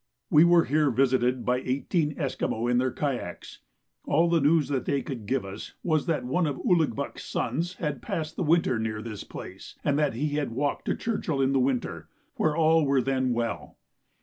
We were here visited by eighteen Esquimaux in their kayaks. All the news they could give us was that one of Ouligbuck's sons had passed the winter near this place, and that he had walked to Churchill in the winter, where all were then well.